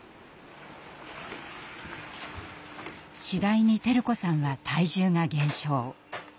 次第に輝子さんは体重が減少。